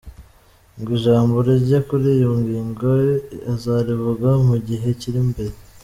Ngo ijambo rye kuri iyi ngingo azarivuga mu gihe kiri imbere.